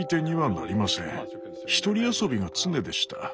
一人遊びが常でした。